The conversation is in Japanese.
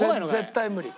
絶対無理。